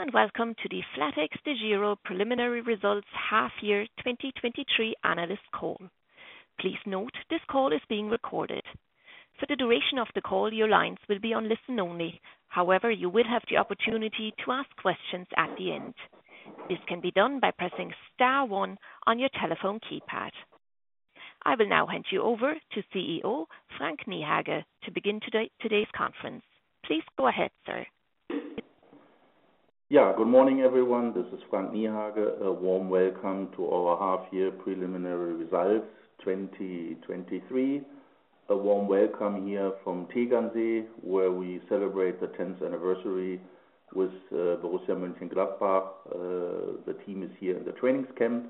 Hello and welcome to the flatexDEGIRO preliminary results half year 2023 analyst call. Please note, this call is being recorded. For the duration of the call, your lines will be on listen-only. However, you will have the opportunity to ask questions at the end. This can be done by pressing star one on your telephone keypad. I will now hand you over to CEO Frank Niehage, to begin today's conference. Please go ahead, sir. Good morning, everyone. This is Frank Niehage. A warm welcome to our half year preliminary results, 2023. A warm welcome here from Tegernsee, where we celebrate the tenth anniversary with Borussia Mönchengladbach. The team is here in the trainings camp.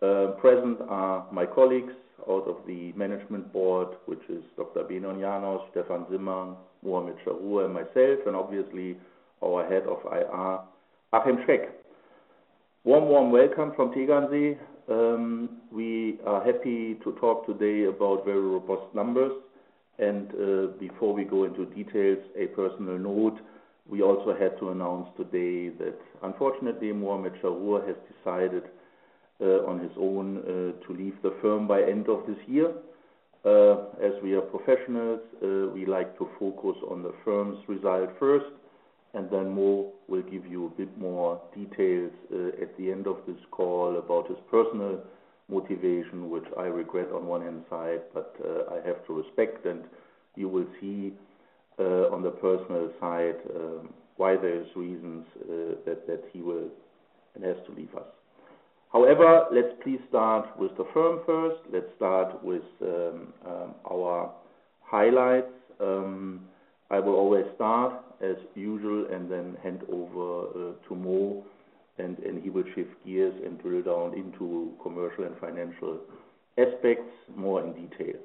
Present are my colleagues out of the management board, which is Dr. Benon Janos, Stephan Simmang, Muhamad Chahrour, and myself, and obviously our head of IR, Achim Schreck. Warm welcome from Tegernsee. We are happy to talk today about very robust numbers. Before we go into details, a personal note, we also had to announce today that unfortunately, Muhamad Chahrour has decided on his own to leave the firm by end of this year. As we are professionals, we like to focus on the firm's result first, and then Mo will give you a bit more details at the end of this call about his personal motivation, which I regret on one hand side, but I have to respect. You will see on the personal side why there is reasons that he will and has to leave us. However, let's please start with the firm first. Let's start with our highlights. I will always start as usual and then hand over to Mo, and he will shift gears and drill down into commercial and financial aspects, more in detail.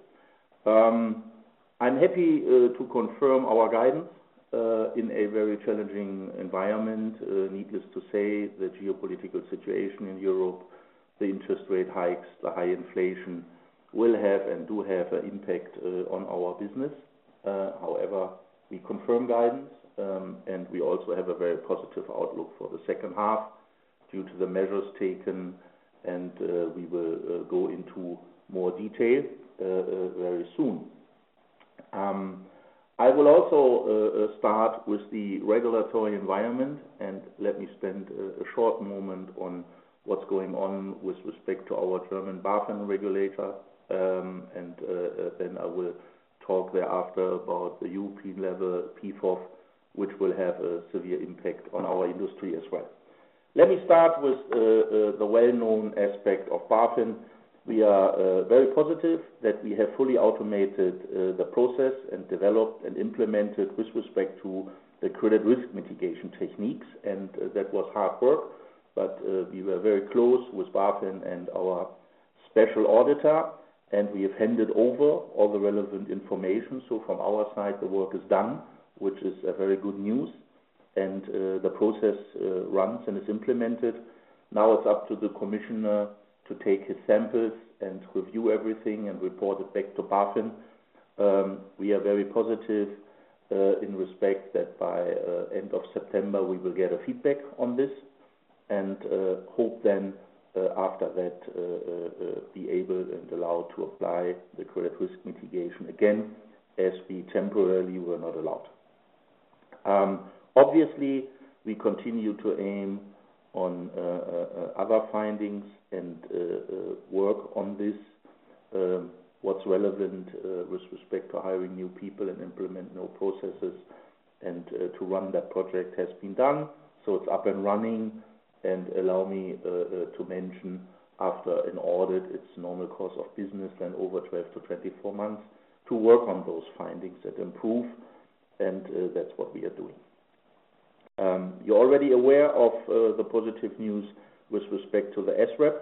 I'm happy to confirm our guidance in a very challenging environment. Needless to say, the geopolitical situation in Europe, the interest rate hikes, the high inflation will have and do have an impact on our business. However, we confirm guidance, we also have a very positive outlook for the second half due to the measures taken, and we will go into more detail very soon. I will also start with the regulatory environment, let me spend a short moment on what's going on with respect to our German BaFin regulator. Then I will talk thereafter about the European level PFOF, which will have a severe impact on our industry as well. Let me start with the well-known aspect of BaFin. We are very positive that we have fully automated the process and developed and implemented with respect to the credit risk mitigation techniques. That was hard work. We were very close with BaFin and our special auditor. We have handed over all the relevant information. From our side, the work is done, which is very good news. The process runs and is implemented. Now it's up to the commissioner to take his samples and review everything and report it back to BaFin. We are very positive in respect that by end of September, we will get a feedback on this. Hope then after that be able and allowed to apply the credit risk mitigation again, as we temporarily were not allowed. Obviously, we continue to aim on other findings and work on this. What's relevant with respect to hiring new people and implement new processes and to run that project has been done, so it's up and running. Allow me to mention after an audit, its normal course of business, then over 12-24 months to work on those findings and improve, and that's what we are doing. You're already aware of the positive news with respect to the SREP.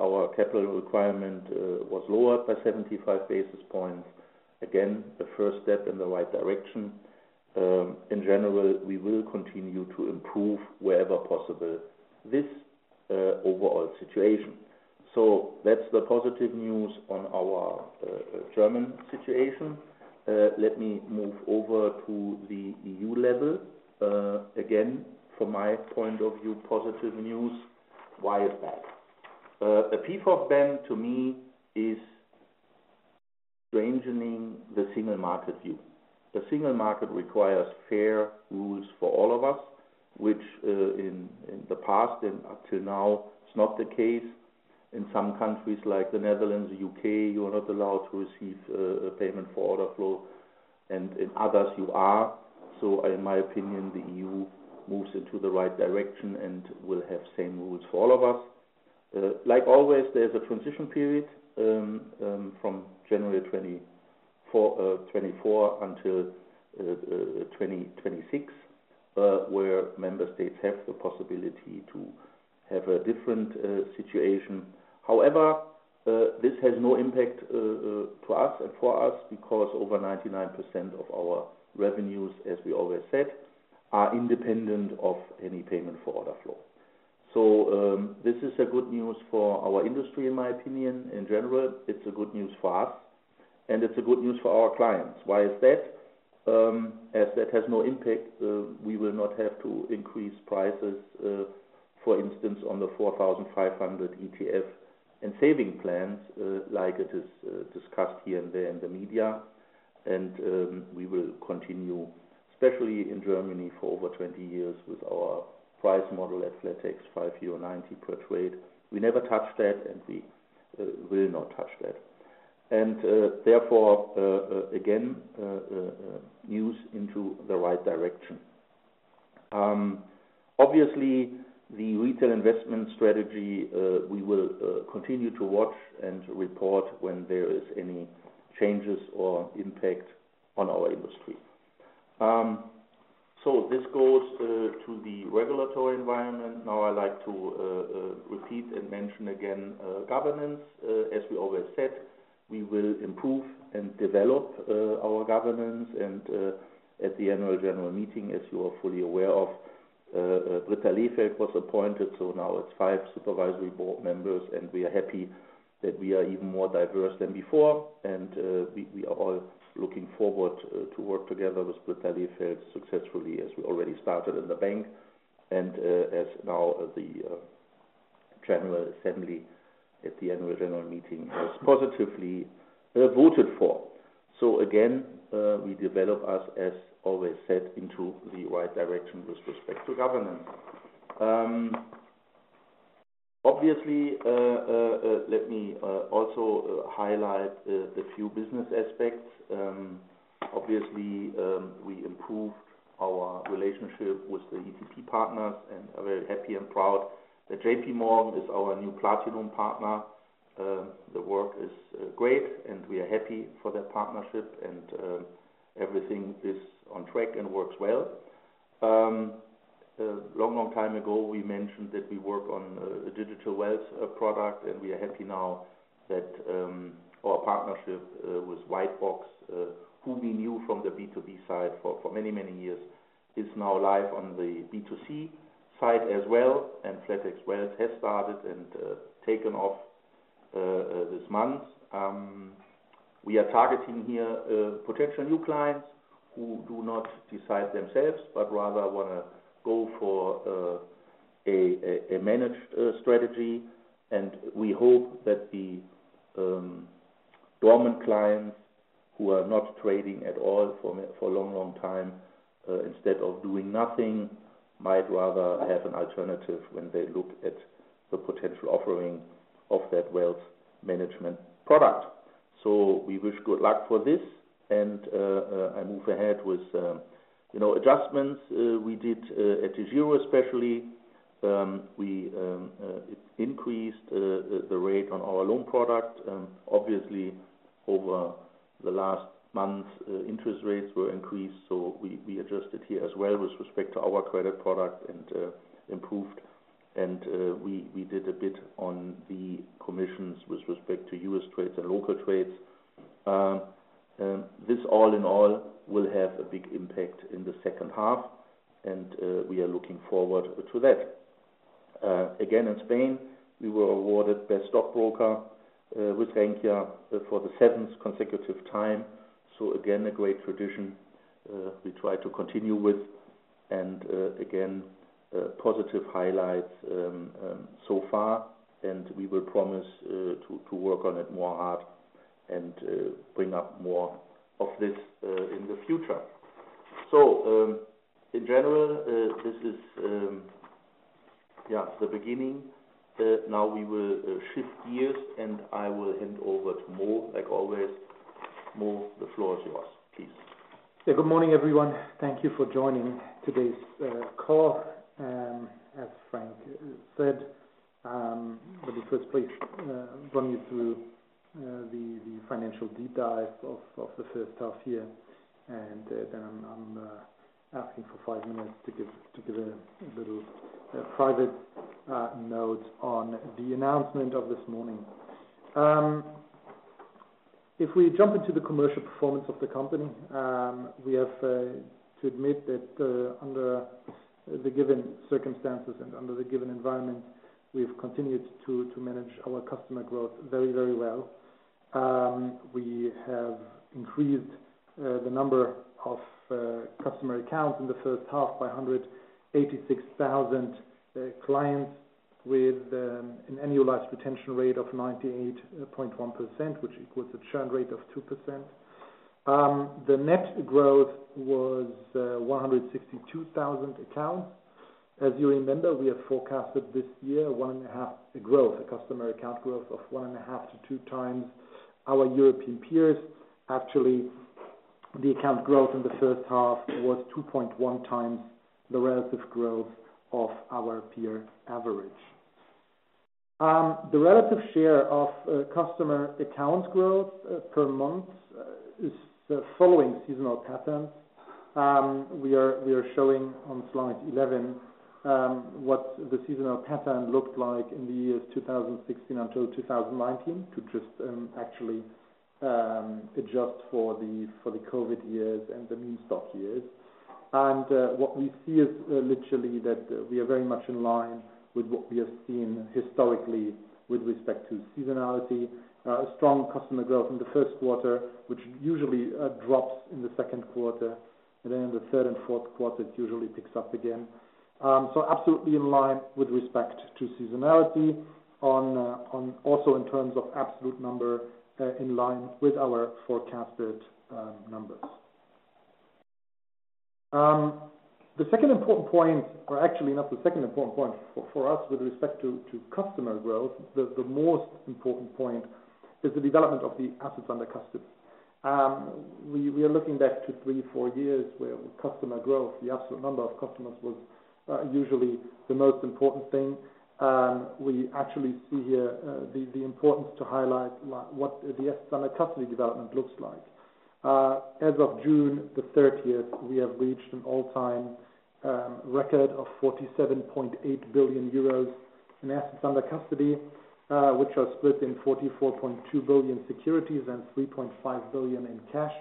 Our capital requirement was lowered by 75 basis points. Again, the first step in the right direction. In general, we will continue to improve wherever possible, this overall situation. That's the positive news on our German situation. Let me move over to the EU level. Again, from my point of view, positive news. Why is that? A PFOF ban to me is strangening the single market view. The single market requires fair rules for all of us, which, in the past and up to now, it's not the case. In some countries, like the Netherlands, U.K., you are not allowed to receive a payment for order flow, and in others, you are. In my opinion, the EU moves into the right direction and will have same rules for all of us. Like always, there's a transition period from January 2024 until 2026 where member states have the possibility to have a different situation. However, this has no impact to us and for us, because over 99% of our revenues, as we always said, are independent of any Payment for Order Flow. This is a good news for our industry, in my opinion, in general, it's a good news for us, and it's a good news for our clients. Why is that? As that has no impact, we will not have to increase prices, for instance, on the 4,500 ETF and saving plans, like it is discussed here and there in the media. We will continue, especially in Germany, for over 20 years, with our price model at flatex, 5.90 per trade. We never touched that, and we will not touch that. Therefore, again, news into the right direction. Obviously, the Retail Investment Strategy, we will continue to watch and report when there is any changes or impact on our industry. This goes to the regulatory environment. Now, I'd like to repeat and mention again, governance. As we always said, we will improve and develop our governance. At the annual general meeting, as you are fully aware of, Britta Lehfeldt was appointed, so now it's five supervisory board members, and we are happy that we are even more diverse than before. We are all looking forward to work together with Britta Lehfeldt successfully, as we already started in the bank. As now, the general assembly at the annual general meeting has positively voted for. Again, we develop us, as always, set into the right direction with respect to governance. Obviously, let me also highlight the few business aspects. Obviously, we improved our relationship with the ECP partners and are very happy and proud that JPMorgan is our new platinum partner. The work is great, and we are happy for that partnership, and everything is on track and works well. A long, long time ago, we mentioned that we work on a digital wealth product, and we are happy now that our partnership with Whitebox, who we knew from the B2B side for many, many years, is now live on the B2C side as well. flatex wealth has started and taken off this month. We are targeting here potential new clients who do not decide themselves, but rather want to go for a managed strategy. We hope that the dormant clients who are not trading at all for a long, long time, instead of doing nothing, might rather have an alternative when they look at the potential offering of that wealth management product. We wish good luck for this, and I move ahead with, you know, adjustments we did at DEGIRO, especially. We increased the rate on our loan product. Obviously, over the last month, interest rates were increased, so we adjusted here as well with respect to our credit product and improved. We did a bit on the commissions with respect to U.S. trades and local trades. This all in all, will have a big impact in the second half, we are looking forward to that. Again, in Spain, we were awarded Best Stockbroker with Rankia for the seventh consecutive time. Again, a great tradition we try to continue with and again, positive highlights so far. We will promise to work on it more hard and bring up more of this in the future. In general, this is, yeah, the beginning. Now we will shift gears, and I will hand over to Mo, like always. Mo, the floor is yours, please. Good morning, everyone. Thank you for joining today's call. As Frank said, let me first brief run you through the financial deep dive of the first half year. Then I'm asking for five minutes to give a little private note on the announcement of this morning. If we jump into the commercial performance of the company, we have to admit that under the given circumstances and under the given environment, we've continued to manage our customer growth very, very well. We have increased the number of customer accounts in the first half by 186,000 clients with an annualized retention rate of 98.1%, which equals a churn rate of 2%. The net growth was 162,000 accounts. As you remember, we have forecasted this year 1.5 growth, a customer account growth of 1.5x-2x our European peers. Actually, the account growth in the first half was 2.1x the relative growth of our peer average. The relative share of customer accounts growth per month is the following seasonal pattern. We are showing on Slide 11 what the seasonal pattern looked like in the years 2016 until 2019, to just actually adjust for the COVID years and the mean stock years. What we see is literally that we are very much in line with what we have seen historically with respect to seasonality. Strong customer growth in the first quarter, which usually drops in the second quarter, then in the third and fourth quarter, it usually picks up again. Absolutely in line with respect to seasonality on also in terms of absolute number, in line with our forecasted numbers. The second important point, or actually not the second important point for us with respect to customer growth, the most important point is the development of the assets under custody. We are looking back to three, four years where customer growth, the absolute number of customers was usually the most important thing. We actually see here the importance to highlight like what the asset under custody development looks like. As of June the thirtieth, we have reached an all-time record of 47.8 billion euros in assets under custody, which are split in 44.2 billion securities and 3.5 billion in cash.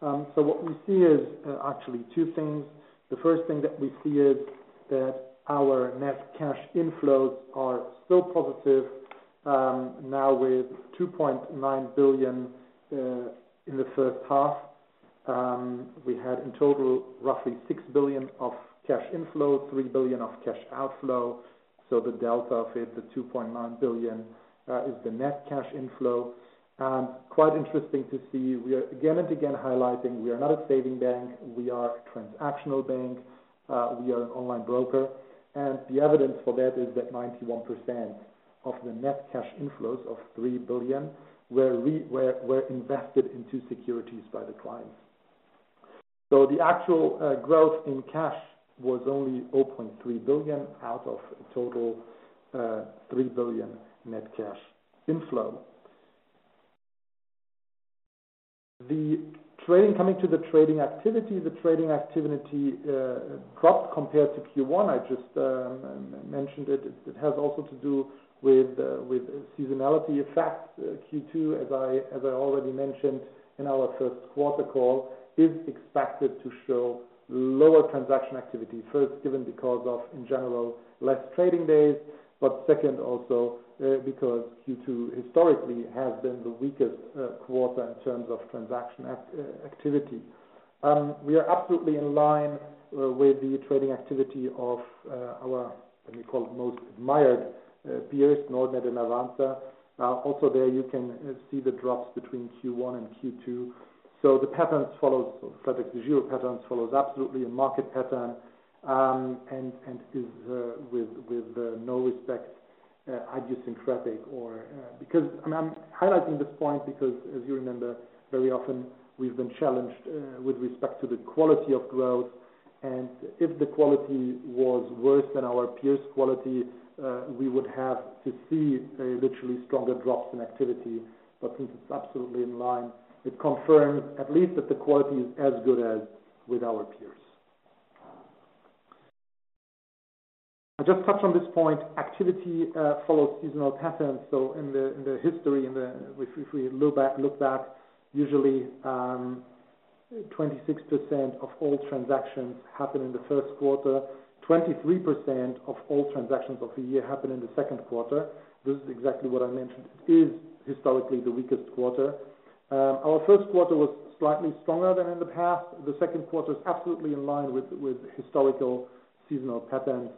What we see is actually two things. The first thing that we see is that our net cash inflows are still positive. Now with 2.9 billion in the first half. We had in total roughly 6 billion of cash inflow, 3 billion of cash outflow. The delta of it, the 2.9 billion, is the net cash inflow. Quite interesting to see, we are again and again highlighting we are not a saving bank, we are a transactional bank, we are an online broker. The evidence for that is that 91% of the net cash inflows of 3 billion were invested into securities by the clients. The actual growth in cash was only 0.3 billion out of a total 3 billion net cash inflow. Coming to the trading activity, the trading activity dropped compared to Q1. I just mentioned it. It has also to do with seasonality effect. Q2, as I already mentioned in our first quarter call, is expected to show lower transaction activity. First, given because of, in general, less trading days, second, also, because Q2 historically has been the weakest quarter in terms of transaction activity. We are absolutely in line with the trading activity of our, let me call it, most admired peers, Nordnet and Avanza. Also there you can see the drops between Q1 and Q2. The patterns follows flatexDEGIRO patterns, follows absolutely a market pattern, and is with no respect idiosyncratic or. And I'm highlighting this point because, as you remember, very often we've been challenged with respect to the quality of growth, and if the quality was worse than our peers' quality, we would have to see a literally stronger drops in activity. Since it's absolutely in line, it confirms at least that the quality is as good as with our peers. I'll just touch on this point: Activity follows seasonal patterns. In the history, if we look back, usually, 26% of all transactions happen in the first quarter. 23% of all transactions of the year happen in the second quarter. This is exactly what I mentioned, is historically the weakest quarter. Our first quarter was slightly stronger than in the past. The second quarter is absolutely in line with historical seasonal patterns.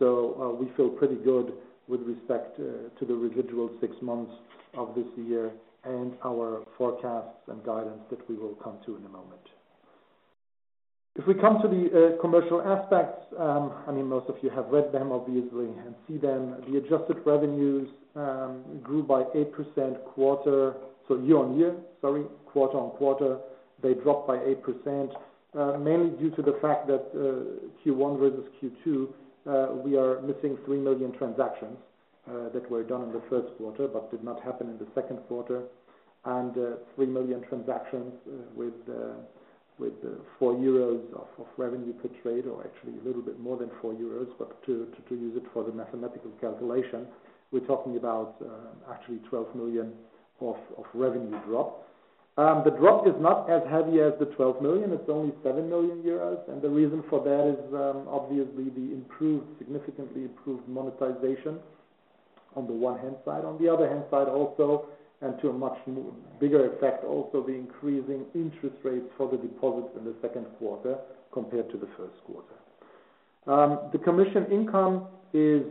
We feel pretty good with respect to the residual six months of this year and our forecasts and guidance that we will come to in a moment. If we come to the commercial aspects, I mean, most of you have read them obviously, and see them. The adjusted revenues quarter-on-quarter, they dropped by 8%, mainly due to the fact that Q1 versus Q2, we are missing 3 million transactions that were done in the first quarter, but did not happen in the second quarter. 3 million transactions with 4 euros of revenue per trade, or actually a little bit more than 4 euros. To use it for the mathematical calculation, we're talking about actually 12 million of revenue drop. The drop is not as heavy as the 12 million. It's only 7 million euros. The reason for that is obviously the improved, significantly improved monetization on the one hand side. On the other hand side, also, to a much more bigger effect, also the increasing interest rates for the deposits in the second quarter compared to the first quarter. The commission income is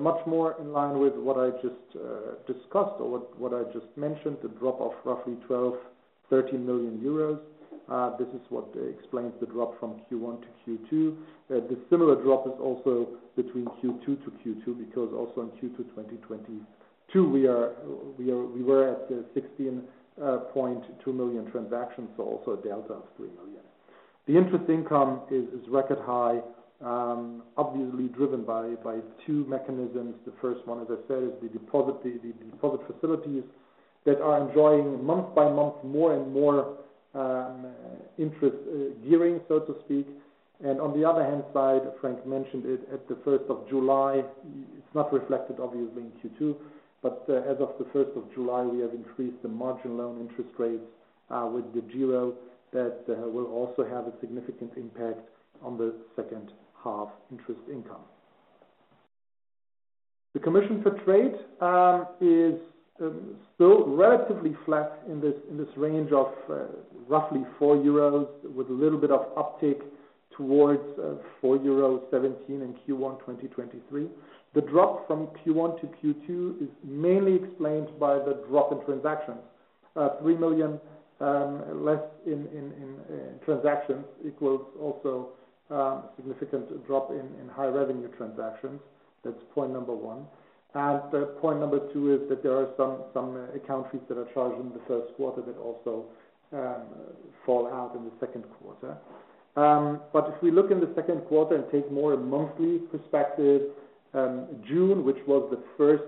much more in line with what I just discussed or what I just mentioned, the drop of roughly 12 million-13 million euros. This is what explains the drop from Q1 to Q2. The similar drop is also between Q2-Q2, because also in Q2 2022, we were at 16.2 million transactions, so also a delta of 3 million. The interest income is record high, obviously driven by two mechanisms. The first one, as I said, is the deposit, the deposit facilities that are enjoying month by month, more and more interest gearing, so to speak. On the other hand side, Frank mentioned it, at the first of July. It's not reflected obviously in Q2, but as of the first of July, we have increased the margin loan interest rates with the DEGIRO that will also have a significant impact on the second half interest income. The commission for trade is still relatively flat in this range of roughly 4 euros, with a little bit of uptick towards 4.17 euros in Q1 2023. The drop from Q1-Q2 is mainly explained by the drop in transactions. 3 million less in transactions equals also significant drop in high revenue transactions. Point number two is that there are some countries that are charged in the first quarter that also fall out in the second quarter. If we look in the second quarter and take more a monthly perspective, June, which was the first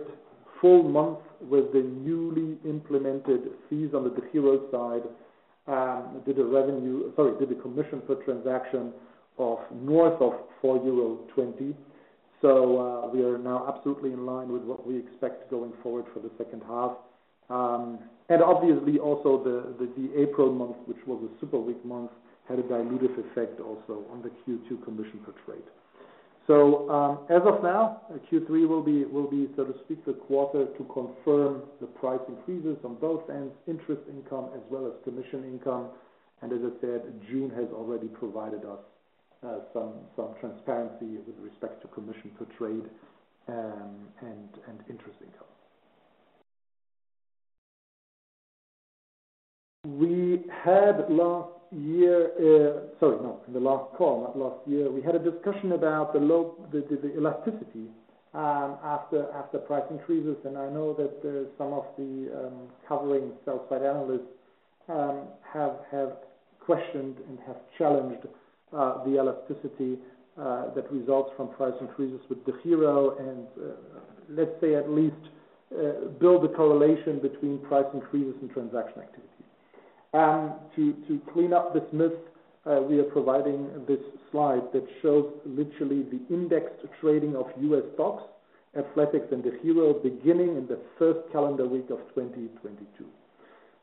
full month with the newly implemented fees on the DEGIRO side, did a commission for transaction of north of 4.20 euro. We are now absolutely in line with what we expect going forward for the second half. Obviously also the April month, which was a super weak month, had a dilutive effect also on the Q2 commission per trade. As of now, Q3 will be, so to speak, the quarter to confirm the price increases on both ends, interest income as well as commission income. As I said, June has already provided us some transparency with respect to commission per trade and interest income. Last call, we had a discussion about the low, the elasticity after price increases, and I know that some of the covering sell-side analysts have questioned and have challenged the elasticity that results from price increases with DEGIRO. Let's say at least build a correlation between price increases and transaction activity. To clean up this myth, we are providing this slide that shows literally the indexed trading of U.S. stocks, flatex, and DEGIRO beginning in the 1st calendar week of 2022.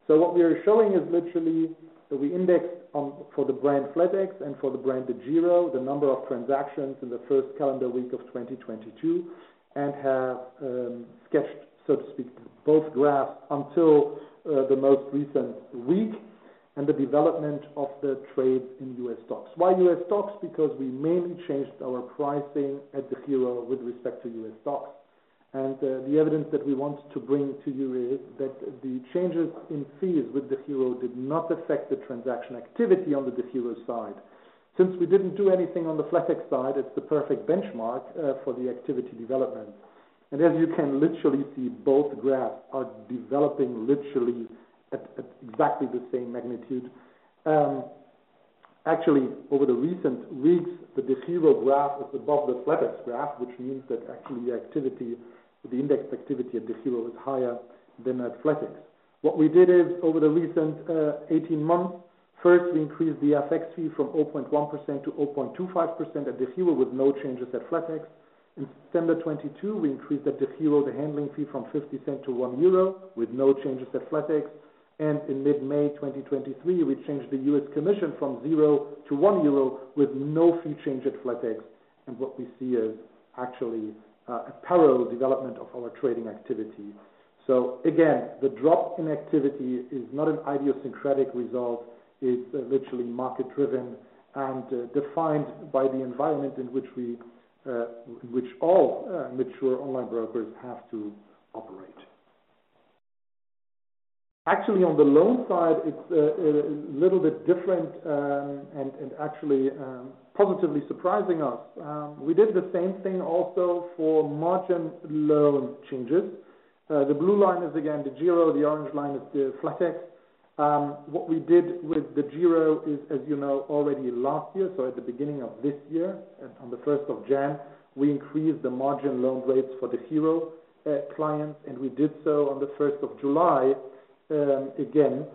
What we are showing is literally that we indexed on for the brand flatex and for the brand DEGIRO, the number of transactions in the 1st calendar week of 2022, and have sketched, so to speak, both graphs until the most recent week and the development of the trade in U.S. stocks. Why U.S. stocks? Because we mainly changed our pricing at DEGIRO with respect to U.S. stocks. The evidence that we want to bring to you is that the changes in fees with DEGIRO did not affect the transaction activity on the DEGIRO side. Since we didn't do anything on the flatex side, it's the perfect benchmark for the activity development. As you can literally see, both graphs are developing literally at exactly the same magnitude. Actually, over the recent weeks, the DEGIRO graph is above the flatex graph, which means that actually the activity, the index activity at DEGIRO is higher than flatex. What we did is over the recent 18 months, first, we increased the FX fee from 0.1%-0.25% at DEGIRO, with no changes at flatex. In September 2022, we increased at DEGIRO, the handling fee from 0.50-1 euro, with no changes at flatex. In mid-May 2023, we changed the U.S. commission from 0-1 euro, with no fee change at flatex. What we see is actually a parallel development of our trading activity. Again, the drop in activity is not an idiosyncratic result. It's literally market driven and defined by the environment in which we, which all mature online brokers have to operate. Actually, on the loan side, it's a little bit different, and actually positively surprising us. We did the same thing also for margin loan changes. The blue line is again, the DEGIRO, the orange line is the flatex. What we did with the DEGIRO is, as you know, already last year, so at the beginning of this year, and on the 1st of January, we increased the margin loan rates for the DEGIRO clients, and we did so on the 1st of July, again.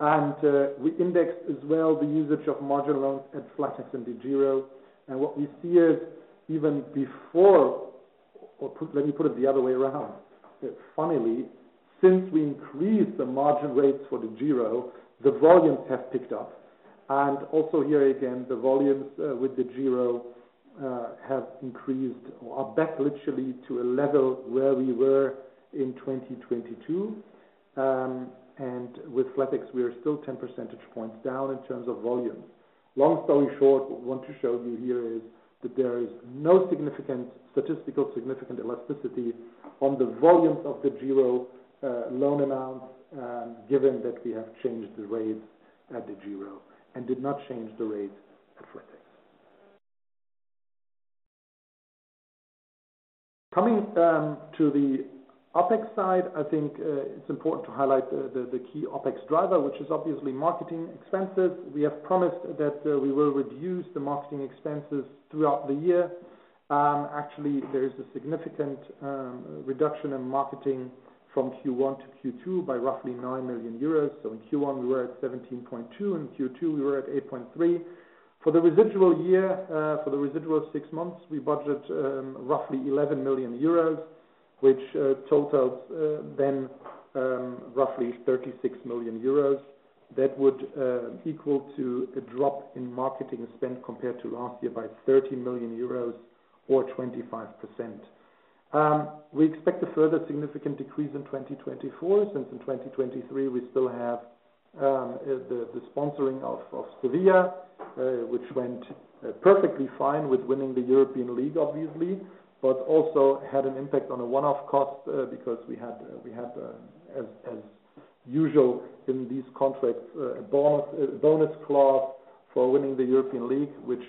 We indexed as well the usage of margin loans at flatex and DEGIRO. What we see is let me put it the other way around. Funnily, since we increased the margin rates for DEGIRO, the volumes have picked up. Also here again, the volumes with DEGIRO have increased or are back literally to a level where we were in 2022. With flatex, we are still 10 percentage points down in terms of volumes. Long story short, what we want to show you here is that there is no significant, statistical significant elasticity on the volumes of DEGIRO loan amounts, given that we have changed the rates at DEGIRO and did not change the rates at flatex. Coming to the OpEx side, I think it's important to highlight the key OpEx driver, which is obviously marketing expenses. We have promised that we will reduce the marketing expenses throughout the year. Actually, there is a significant reduction in marketing from Q1-Q2 by roughly 9 million euros. In Q1, we were at 17.2, in Q2, we were at 8.3. For the residual year, for the residual six months, we budget roughly 11 million euros, which totals then roughly 36 million euros. That would equal to a drop in marketing spend compared to last year by 13 million euros or 25%. We expect a further significant decrease in 2024, since in 2023, we still have the sponsoring of Sevilla FC, which went perfectly fine with winning the European League, obviously, but also had an impact on a one-off cost, because we had as usual in these contracts a bonus clause for winning the European League, which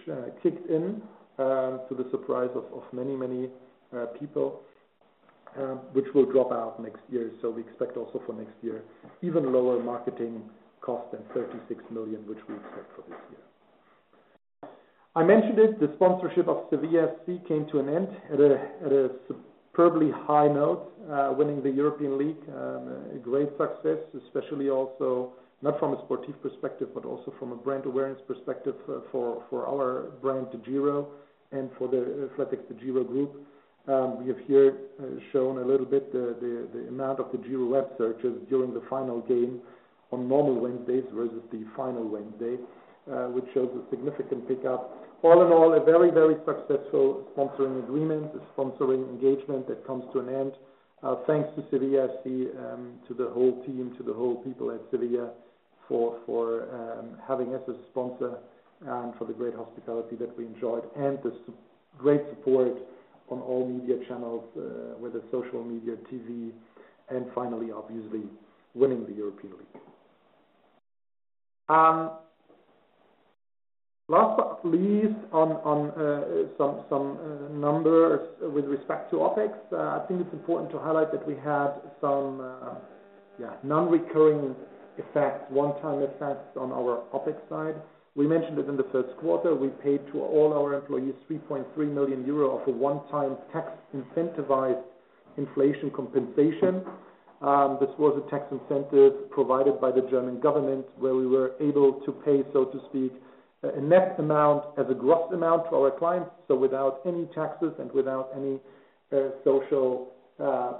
kicked in to the surprise of many people, which will drop out next year. We expect also for next year, even lower marketing cost than 36 million, which we expect for this year. I mentioned it, the sponsorship of Sevilla FC came to an end at a superbly high note, winning the European League. A great success, especially also not from a sportif perspective, but also from a brand awareness perspective for our brand, DEGIRO, and for the flatexDEGIRO group. We have here shown a little bit the amount of DEGIRO web searches during the final game on normal Wednesdays versus the final Wednesday, which shows a significant pickup. All in all, a very, very successful sponsoring agreement, a sponsoring engagement that comes to an end. Thanks to Sevilla FC, to the whole team, to the whole people at Sevilla for having us as a sponsor, and for the great hospitality that we enjoyed and the great support on all media channels, whether social media, TV, and finally, obviously, winning the European League. Last but not least, on some numbers with respect to OpEx. I think it's important to highlight that we had some non-recurring effects, one-time effects on our OpEx side. We mentioned it in the first quarter. We paid to all our employees 3.3 million euro of a one-time tax incentivized inflation compensation. This was a tax incentive provided by the German government, where we were able to pay, so to speak, a net amount as a gross amount to our clients. Without any taxes and without any social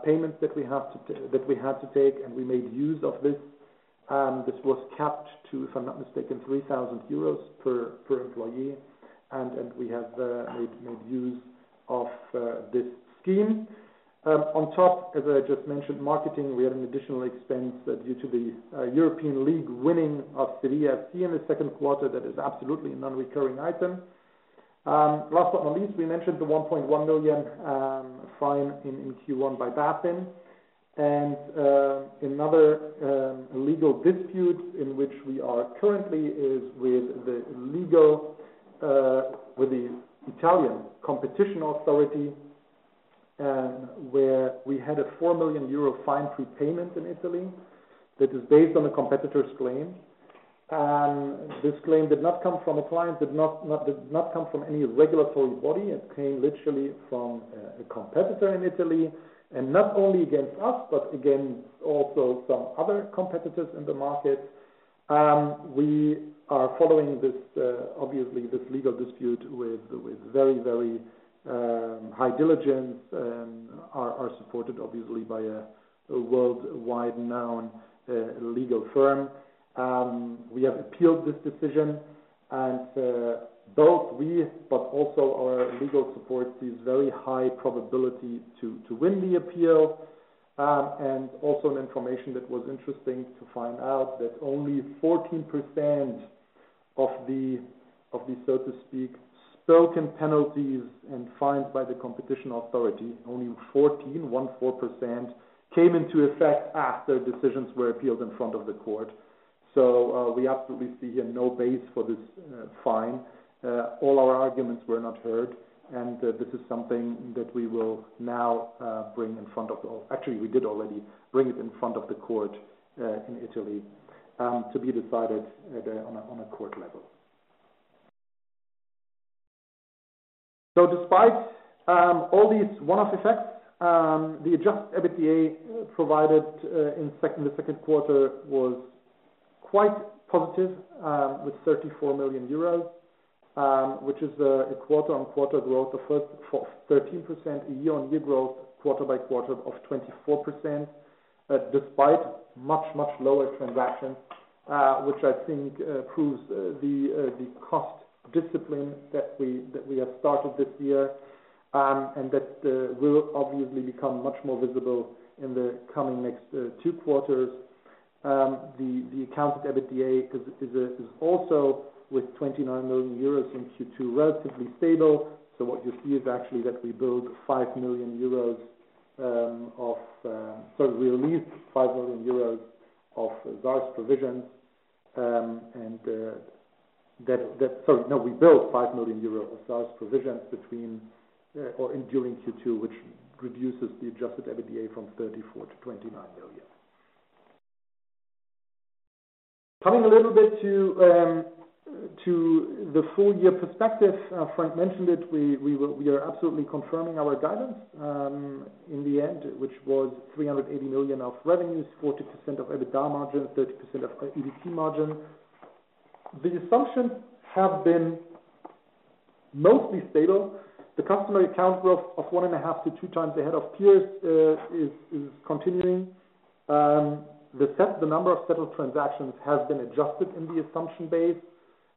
payments that we had to take, and we made use of this. This was capped to, if I'm not mistaken, 3,000 euros per employee, and we have made use of this scheme. On top, as I just mentioned, marketing, we had an additional expense that due to the European League winning of Sevilla FC in the second quarter, that is absolutely a non-recurring item. Last but not least, we mentioned the 1.1 million fine in Q1 by BaFin. Another legal dispute in which we are currently is with the Italian Competition Authority, where we had a 4 million euro fine prepayment in Italy that is based on a competitor's claim. This claim did not come from a client, did not come from any regulatory body. It came literally from a competitor in Italy, and not only against us, but against also some other competitors in the market. We are following this, obviously, this legal dispute with very, very high diligence, are supported obviously by a worldwide known legal firm. We have appealed this decision, and both we, but also our legal support, sees very high probability to win the appeal. And also an information that was interesting to find out that only 14% of the, so to speak, spoken penalties and fines by the Italian Competition Authority, only 14%, came into effect after decisions were appealed in front of the court. We absolutely see here no basis for this fine. All our arguments were not heard, and this is something that we will now bring in front. Actually, we did already bring it in front of the court, in Italy, to be decided on a court level. Despite all these one-off effects, the adjusted EBITDA provided in second, the second quarter was quite positive, with 34 million euros, which is a quarter-on-quarter growth of first for 13%, a year-on-year growth, quarter-by-quarter of 24%, despite much, much lower transactions, which I think proves the cost discipline that we have started this year. That will obviously become much more visible in the coming next two quarters. The accounted EBITDA is also with 29 million euros in Q2, relatively stable. What you see is actually that we build EUR 5 million. Sorry, we released 5 million euros of SARs provisions, sorry, no, we built 5 million euros of SARs provisions between or in during Q2, which reduces the adjusted EBITDA from 34 million-29 million. Coming a little bit to the full year perspective, Frank mentioned it, we are absolutely confirming our guidance in the end, which was 380 million of revenues, 40% of EBITDA margin, 30% of EBT margin. The assumptions have been mostly stable. The customer account growth of 1.5x-2x times ahead of peers is continuing. The number of settled transactions has been adjusted in the assumption base.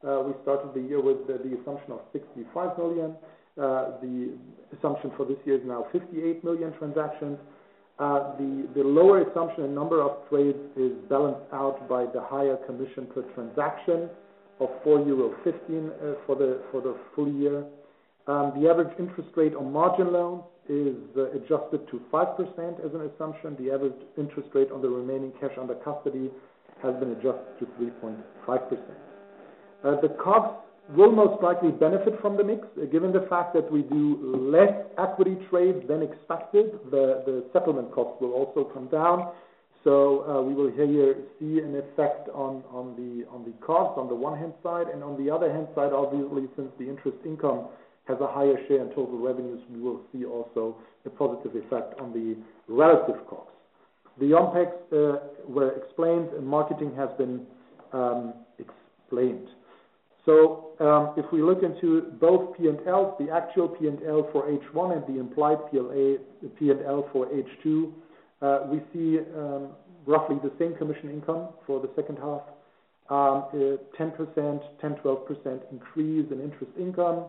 We started the year with the assumption of 65 million. The assumption for this year is now 58 million transactions. The lower assumption and number of trades is balanced out by the higher commission per transaction of 4.15 euros for the full year. The average interest rate on margin loans is adjusted to 5% as an assumption. The average interest rate on the remaining cash under custody has been adjusted to 3.5%. The costs will most likely benefit from the mix, given the fact that we do less equity trade than expected, the settlement costs will also come down. We will see an effect on the cost on the one hand side, and on the other hand side, obviously, since the interest income has a higher share in total revenues, we will see also a positive effect on the relative costs. The OpEx were explained and marketing has been explained. If we look into both P&Ls, the actual P&L for H1 and the implied P&L for H2, we see roughly the same commission income for the second half. 10%-12% increase in interest income.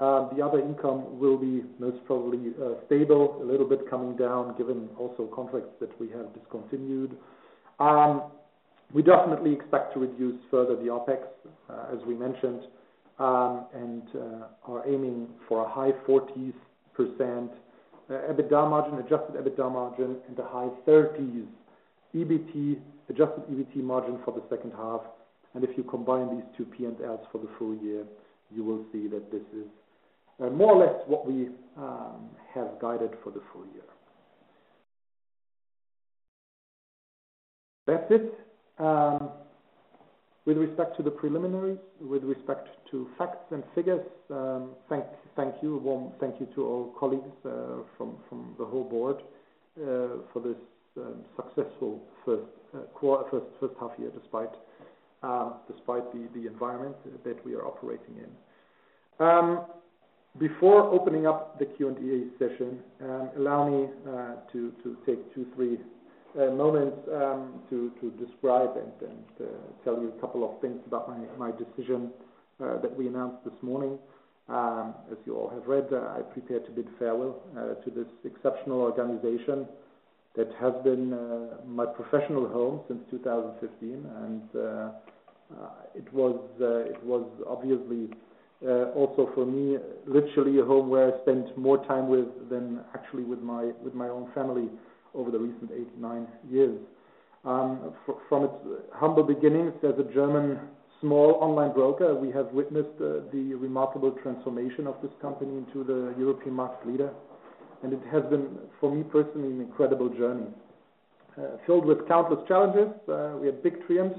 The other income will be most probably stable, a little bit coming down, given also conflicts that we have discontinued. We definitely expect to reduce further the OpEx, as we mentioned, and are aiming for a high 40% EBITDA margin, adjusted EBITDA margin in the high 30s%. EBT, adjusted EBT margin for the second half, and if you combine these two P&Ls for the full year, you will see that this is more or less what we have guided for the full year. That's it. With respect to the preliminaries, with respect to facts and figures, thank you. Warm thank you to all colleagues, from the whole board, for this successful first half year, despite the environment that we are operating in. Before opening up the Q&A session, allow me to take 2, 3 moments to describe and tell you a couple of things about my decision that we announced this morning. As you all have read, I prepare to bid farewell to this exceptional organization that has been my professional home since 2015. It was, it was obviously, also for me, literally a home where I spent more time with than actually with my own family over the recent 8, 9 years. From its humble beginnings as a German small online broker, we have witnessed the remarkable transformation of this company into the European market leader, and it has been, for me personally, an incredible journey. Filled with countless challenges, we had big triumphs.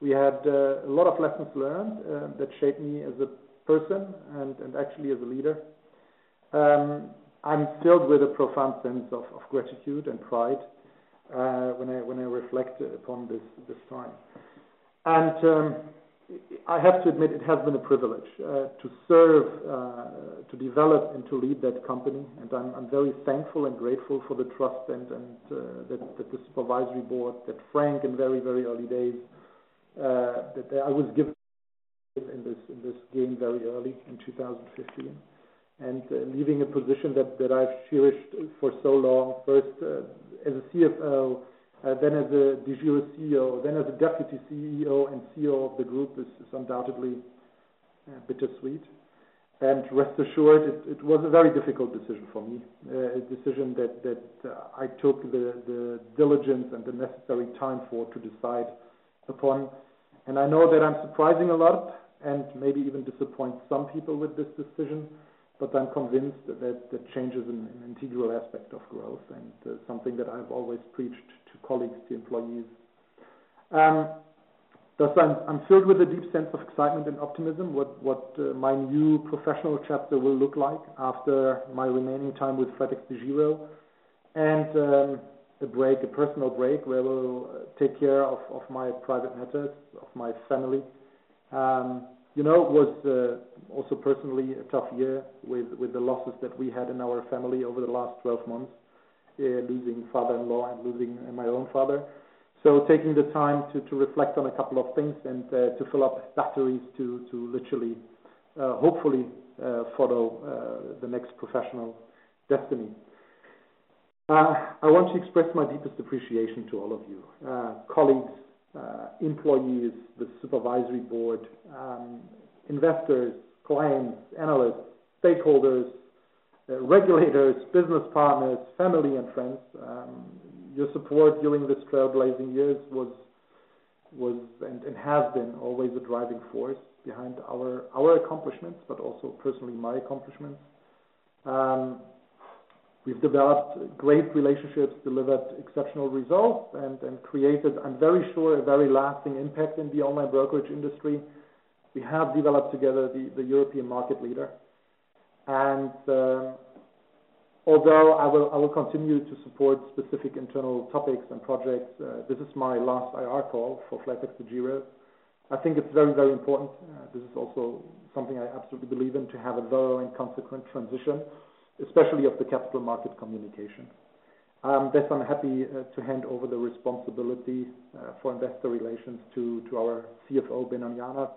We had a lot of lessons learned that shaped me as a person and actually as a leader. I'm filled with a profound sense of gratitude and pride, when I reflect upon this time. I have to admit, it has been a privilege to serve, to develop and to lead that company. I'm very thankful and grateful for the trust and that the Supervisory Board, that Frank in very early days, that I was given in this game very early in 2015. Leaving a position that I've cherished for so long, first as a CFO, then as a Co-CEO, then as a Deputy CEO and CEO of the group, is undoubtedly bittersweet. Rest assured, it was a very difficult decision for me. A decision that I took the diligence and the necessary time for, to decide upon. I know that I'm surprising a lot, and maybe even disappoint some people with this decision, but I'm convinced that the change is an integral aspect of growth, and something that I've always preached to colleagues, to employees. Thus I'm filled with a deep sense of excitement and optimism, what my new professional chapter will look like after my remaining time with flatexDEGIRO. A break, a personal break, where I will take care of my private matters, of my family. You know, it was also personally a tough year with the losses that we had in our family over the last 12 months, losing father-in-law and losing my own father. Taking the time to reflect on a couple of things and to fill up batteries to literally hopefully follow the next professional destiny. I want to express my deepest appreciation to all of you, colleagues, employees, the supervisory board, investors, clients, analysts, stakeholders, regulators, business partners, family and friends. Your support during this trailblazing years was and has been always a driving force behind our accomplishments, but also personally, my accomplishments. We've developed great relationships, delivered exceptional results, and created, I'm very sure, a very lasting impact in the online brokerage industry. We have developed together the European market leader. Although I will continue to support specific internal topics and projects, this is my last IR call for flatexDEGIRO. I think it's very important. This is also something I absolutely believe in, to have a thorough and consequent transition, especially of the capital market communication. Thus I'm happy to hand over the responsibility for investor relations to our CFO, Benon Janos.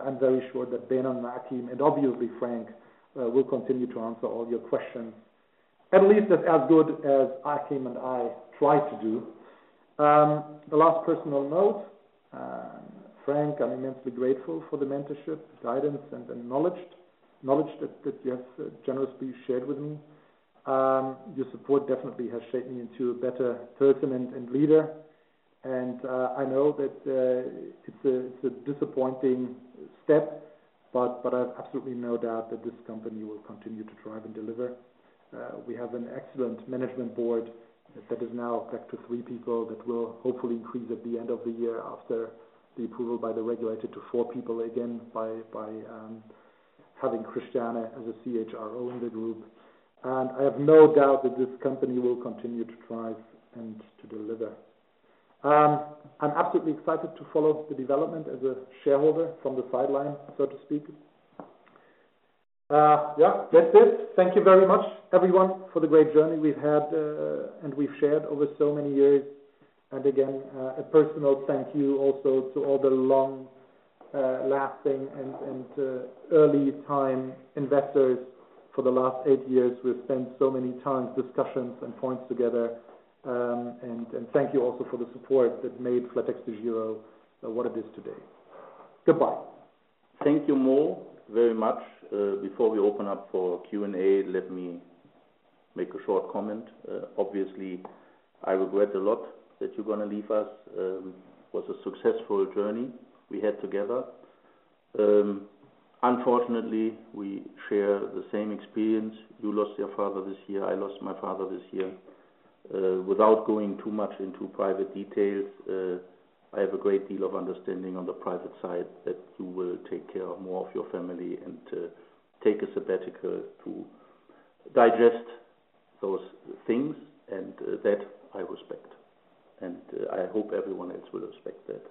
I'm very sure that Benon and Achim, and obviously Frank, will continue to answer all your questions at least as good as Achim and I try to do. The last personal note, Frank, I'm immensely grateful for the mentorship, guidance, and the knowledge that you have generously shared with me. Your support definitely has shaped me into a better person and leader, and I know that it's a disappointing step, but I've absolutely no doubt that this company will continue to thrive and deliver. We have an excellent management board that is now back to three people, that will hopefully increase at the end of the year after the approval by the regulator to four people again by having Christiane as a CHRO in the group. I have no doubt that this company will continue to thrive and to deliver. I'm absolutely excited to follow the development as a shareholder from the sideline, so to speak. Yeah, that's it. Thank you very much, everyone, for the great journey we've had, and we've shared over so many years. Again, a personal thank you also to all the long, lasting and early time investors for the last eight years. We've spent so many times, discussions, and points together. And thank you also for the support that made flatexDEGIRO, what it is today. Goodbye. Thank you, Mo, very much. Before we open up for Q&A, let me make a short comment. Obviously, I regret a lot that you're gonna leave us. It was a successful journey we had together. Unfortunately, we share the same experience. You lost your father this year, I lost my father this year. Without going too much into private details, I have a great deal of understanding on the private side, that you will take care more of your family and, take a sabbatical to digest those things, and that I respect, and I hope everyone else will respect that,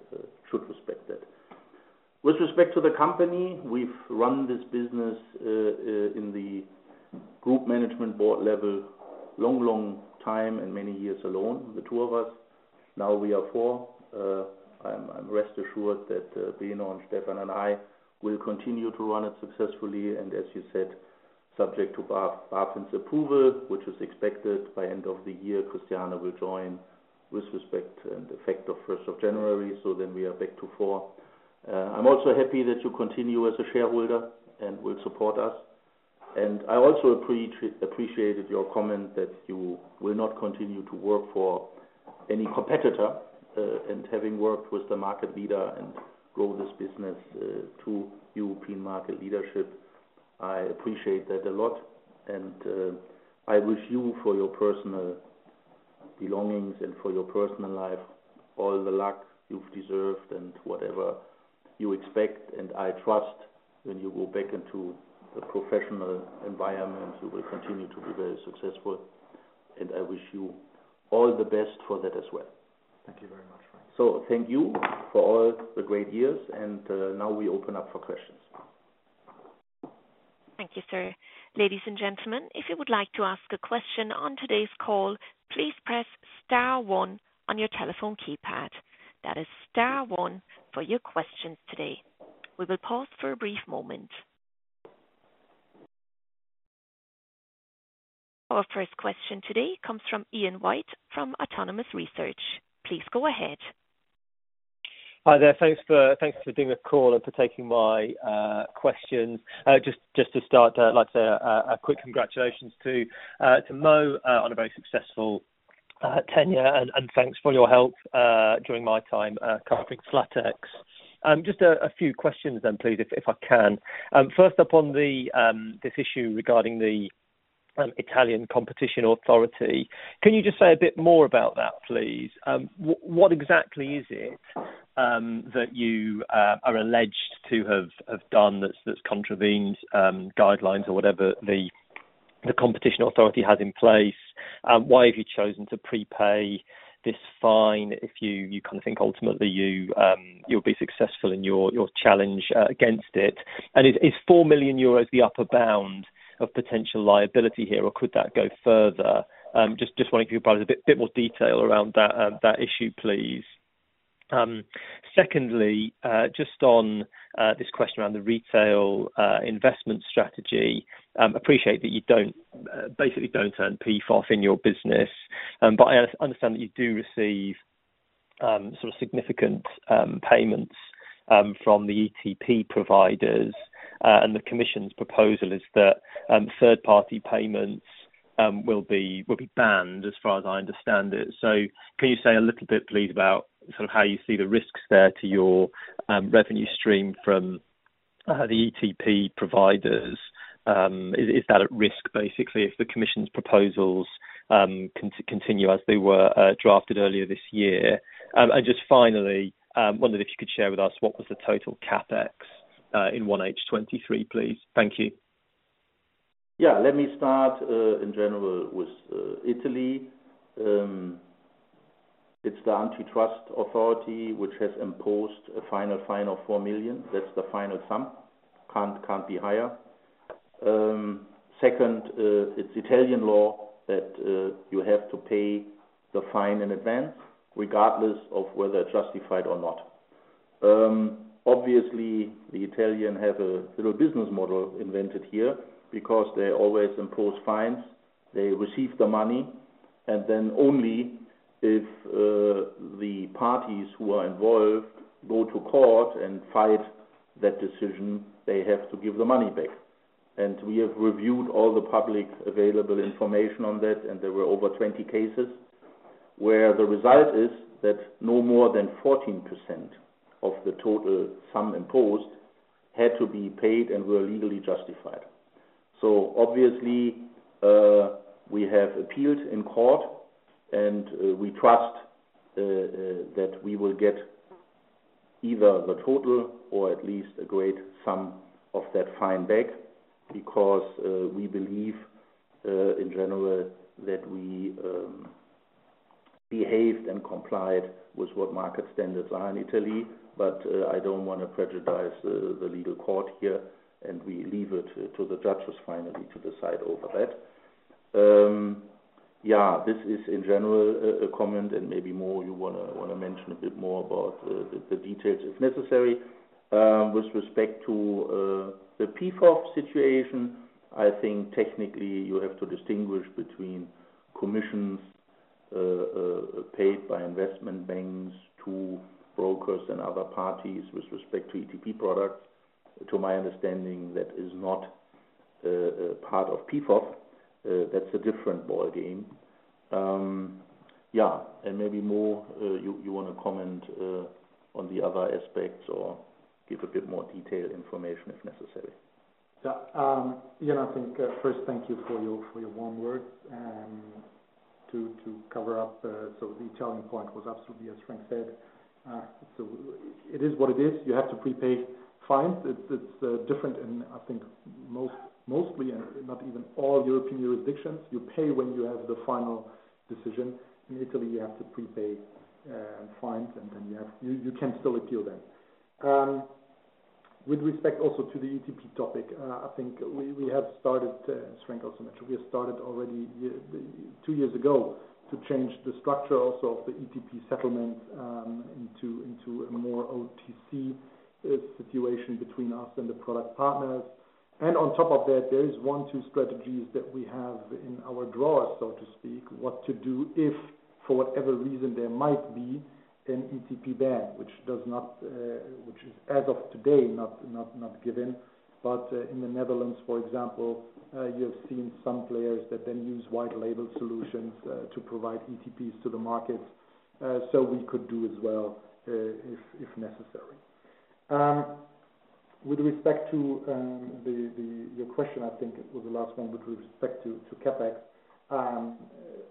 should respect that. With respect to the company, we've run this business, in the group management board level, long, long time and many years alone, the two of us. Now, we are four. I'm rest assured that Benon, Stefan, and I will continue to run it successfully. As you said, subject to BaFin's approval, which is expected by end of the year, Christiane will join with respect and effect of first of January, we are back to four. I'm also happy that you continue as a shareholder and will support us. I also appreciated your comment that you will not continue to work for any competitor, and having worked with the market leader and grow this business to European market leadership. I appreciate that a lot, I wish you, for your personal belongings and for your personal life, all the luck you've deserved and whatever you expect, I trust when you go back into the professional environment, you will continue to be very successful. I wish you all the best for that as well. Thank you very much, Frank. Thank you for all the great years, and now we open up for questions. Thank you, sir. Ladies and gentlemen, if you would like to ask a question on today's call, please press Star one on your telephone keypad. That is Star one for your questions today. We will pause for a brief moment. Our first question today comes from Ian White, from Autonomous Research. Please go ahead. Hi there. Thanks for doing the call and for taking my questions. Just to start, I'd like to a quick congratulations to Mo on a very successful tenure, and thanks for your help during my time covering flatex. Just a few questions then, please, if I can. First up, on the this issue regarding the Italian Competition Authority, can you just say a bit more about that, please? What exactly is it that you are alleged to have done that's contravened guidelines or whatever the Competition Authority has in place? Why have you chosen to prepay this fine if you kind of think ultimately you'll be successful in your challenge against it? Is 4 million euros the upper bound of potential liability here, or could that go further? Just wondering if you could provide a bit more detail around that issue, please. Secondly, just on this question around the Retail Investment Strategy, appreciate that you don't basically don't earn PFOF in your business, but I understand that you do receive sort of significant payments from the ETP providers. The Commission's proposal is that third-party payments will be banned, as far as I understand it. Can you say a little bit, please, about sort of how you see the risks there to your revenue stream? The ETP providers, is that at risk, basically, if the commission's proposals continue as they were drafted earlier this year? Just finally, wondered if you could share with us what was the total CapEx in 1H 2023, please? Thank you. Let me start in general with Italy. It's the antitrust authority which has imposed a final 4 million. That's the final sum. Can't be higher. Second, it's Italian law that you have to pay the fine in advance, regardless of whether justified or not. Obviously, the Italian have a little business model invented here because they always impose fines, they receive the money, and then only if the parties who are involved go to court and fight that decision, they have to give the money back. We have reviewed all the public available information on that, and there were over 20 cases, where the result is that no more than 14% of the total sum imposed had to be paid and were legally justified. Obviously, we have appealed in court, and we trust that we will get either the total or at least a great sum of that fine back, because we believe in general, that we behaved and complied with what market standards are in Italy. I don't want to prejudice the legal court here, and we leave it to the judges finally, to decide over that. This is in general, a comment and maybe more you wanna mention a bit more about the details, if necessary. With respect to the PFOF situation, I think technically you have to distinguish between commissions paid by investment banks to brokers and other parties with respect to ETP products. To my understanding, that is not part of PFOF, that's a different ballgame. Yeah, maybe more, you wanna comment on the other aspects or give a bit more detailed information, if necessary. First, thank you for your warm words. To cover up, the Italian point was absolutely, as Frank said, it is what it is. You have to prepay fines. It's different in, I think, mostly, and not even all European jurisdictions. You pay when you have the final decision. In Italy, you have to prepay fines, you can still appeal then. With respect also to the ETP topic, I think we have started, Frank, also, we have started already two years ago, to change the structure also of the ETP settlement into a more OTC situation between us and the product partners. On top of that, there is one, two strategies that we have in our drawer, so to speak, what to do if for whatever reason there might be an ETP ban, which does not, which is as of today, not given. In the Netherlands, for example, you have seen some players that then use white label solutions to provide ETPs to the market. We could do as well if necessary. With respect to your question, I think it was the last one with respect to CapEx.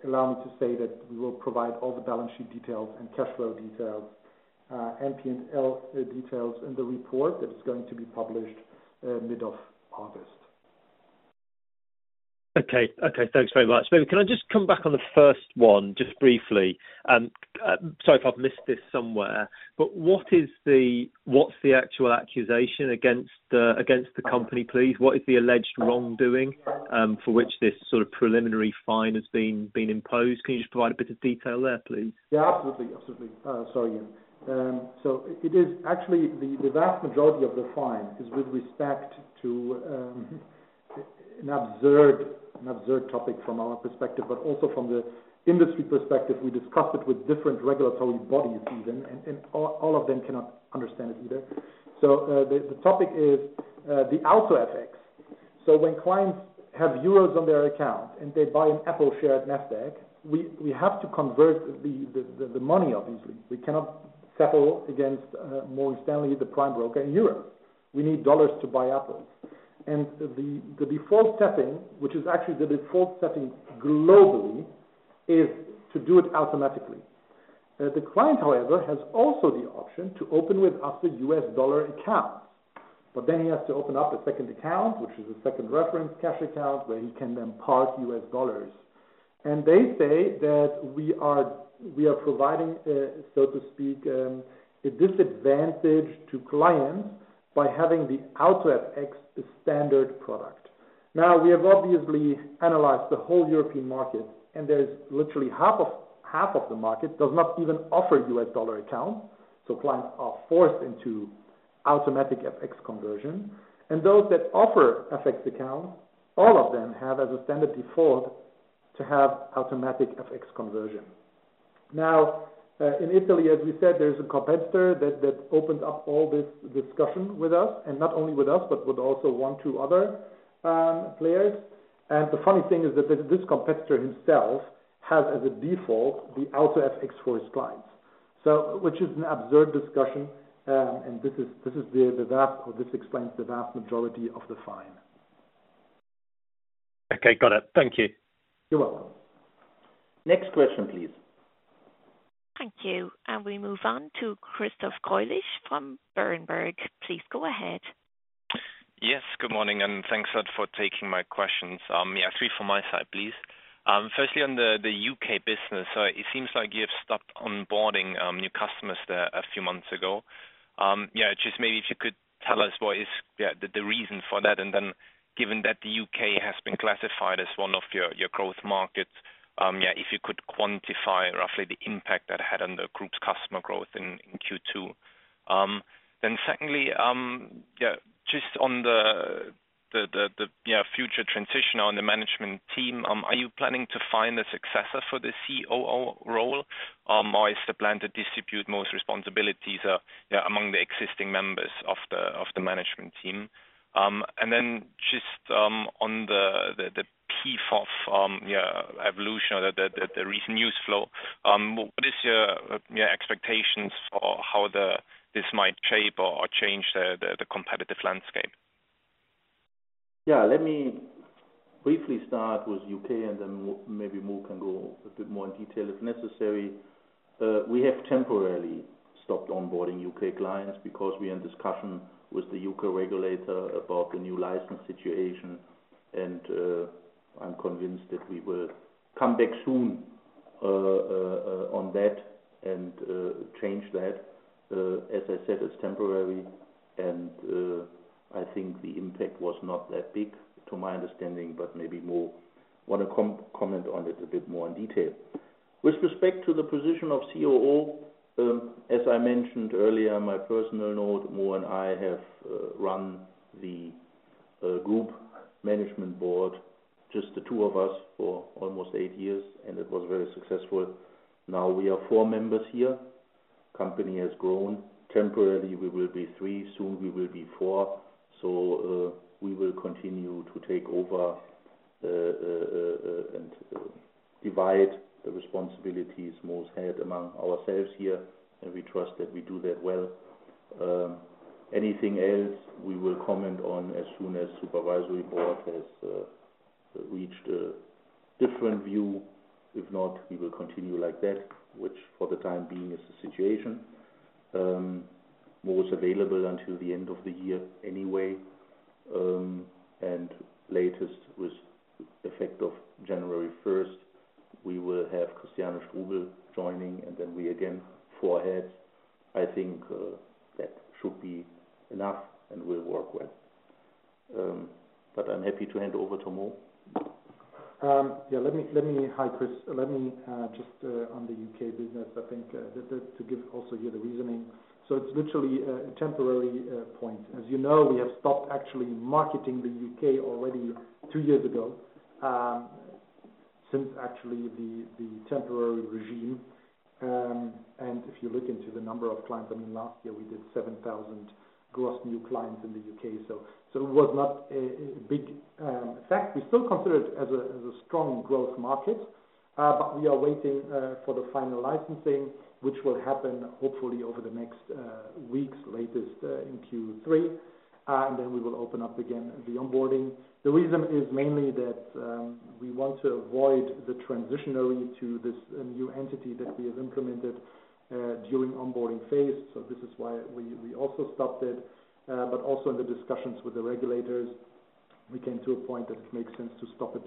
Allow me to say that we will provide all the balance sheet details and cash flow details, P&L details in the report that is going to be published mid of August. Okay. Okay, thanks very much. Maybe can I just come back on the first one, just briefly? Sorry if I've missed this somewhere, but what is the, what's the actual accusation against the, against the company, please? What is the alleged wrongdoing, for which this sort of preliminary fine has been imposed? Can you just provide a bit of detail there, please? Absolutely. Absolutely. Sorry. It is actually the vast majority of the fine is with respect to an absurd topic from our perspective, but also from the industry perspective, we discussed it with different regulatory bodies even, and all of them cannot understand it either. The topic is the AutoFX. When clients have euros on their account and they buy an Apple share at Nasdaq, we have to convert the money, obviously. We cannot settle against Morgan Stanley, the prime broker in Europe. We need dollars to buy Apple. The default setting, which is actually the default setting globally, is to do it automatically. The client, however, has also the option to open with us a U.S. dollar account. He has to open up a second account, which is a second reference cash account, where he can then park U.S. dollars. They say that we are providing, so to speak, a disadvantage to clients by having the AutoFX standard product. We have obviously analyzed the whole European market, there is literally half of the market, does not even offer U.S. dollar account, so clients are forced into automatic FX conversion. Those that offer FX account, all of them have, as a standard default, to have automatic FX conversion. In Italy, as we said, there's a competitor that opened up all this discussion with us, and not only with us, but with also one, two other players. The funny thing is that this competitor himself has, as a default, the AutoFX for his clients. which is an absurd discussion, and this is the vast, or this explains the vast majority of the fine. Okay, got it. Thank you. You're welcome. Next question, please. Thank you. We move on to Christoph Greulich from Berenberg. Please go ahead. Yes, good morning, thanks a lot for taking my questions. Three from my side, please. Firstly, on the U.K. business, it seems like you've stopped onboarding new customers there a few months ago. Just maybe if you could tell us what is the reason for that, and then given that the U.K. has been classified as one of your growth markets, if you could quantify roughly the impact that had on the group's customer growth in Q2? Secondly, just on the future transition on the management team, are you planning to find a successor for the COO role, or is the plan to distribute most responsibilities among the existing members of the management team? Then just on the PFOF, evolution or the recent news flow, what is your expectations for how this might shape or change the competitive landscape? Yeah, let me briefly start with U.K., then Mo can go a bit more in detail if necessary. We have temporarily stopped onboarding U.K. clients because we're in discussion with the U.K. regulator about the new license situation. I'm convinced that we will come back soon on that and change that. As I said, it's temporary, I think the impact was not that big, to my understanding, but maybe Mo want to comment on it a bit more in detail. With respect to the position of COO, as I mentioned earlier, my personal note, Mo and I have run the group management board, just the two of us, for almost eight years, and it was very successful. Now we are four members here. Company has grown. Temporarily, we will be three, soon we will be four. We will continue to take over and divide the responsibilities Mo's had among ourselves here, and we trust that we do that well. Anything else, we will comment on as soon as supervisory board has reached a different view. If not, we will continue like that, which for the time being is the situation. Mo is available until the end of the year anyway, and latest with effect of January first, we will have Christiane Strubel joining, and then we again, four ahead. I think that should be enough and will work well. I'm happy to hand over to Mo. Yeah, hi, Chris. Let me just on the U.K. business, I think that to give also you the reasoning. It's literally a temporary point. As you know, we have stopped actually marketing the U.K. already two years ago, since actually the temporary regime. If you look into the number of clients, I mean, last year we did 7,000 gross new clients in the U.K., so it was not a big fact. We still consider it as a strong growth market, we are waiting for the final licensing, which will happen hopefully over the next weeks, latest in Q3. We will open up again, the onboarding. The reason is mainly that we want to avoid the transitionally to this new entity that we have implemented during onboarding phase. This is why we also stopped it. Also in the discussions with the regulators, we came to a point that it makes sense to stop it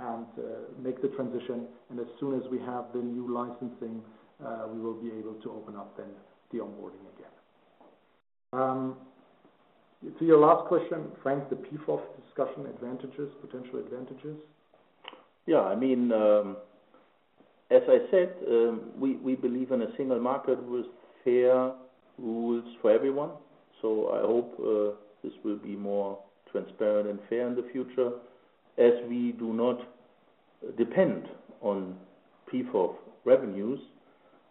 and make the transition. As soon as we have the new licensing, we will be able to open up then the onboarding again. To your last question, Frank, the PFOF discussion advantages, potential advantages. As I said, we believe in a single market with fair rules for everyone. I hope this will be more transparent and fair in the future. As we do not depend on PFOF revenues,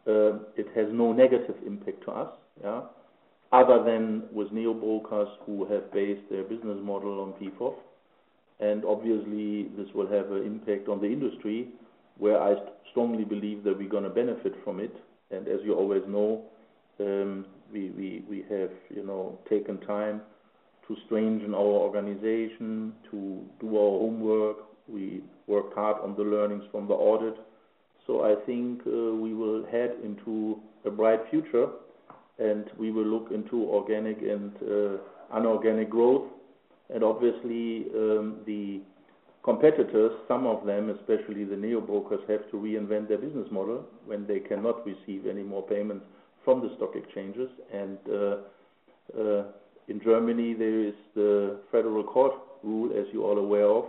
it has no negative impact to us. Other than with neo brokers who have based their business model on PFOF. Obviously, this will have an impact on the industry, where I strongly believe that we're gonna benefit from it. As you always know, we have, you know, taken time to strengthen our organization, to do our homework. We worked hard on the learnings from the audit. I think we will head into a bright future, and we will look into organic and inorganic growth. Obviously, the competitors, some of them, especially the neo-brokers, have to reinvent their business model when they cannot receive any more payments from the stock exchanges. In Germany, there is the Federal Court rule, as you are aware of,